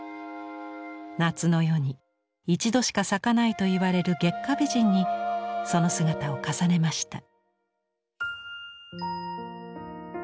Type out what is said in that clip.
夏の夜に一度しか咲かないと言われる月下美人にその姿を重ねました。